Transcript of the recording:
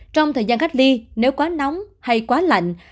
trong thời gian cách ly nếu quá nóng hay quá lạnh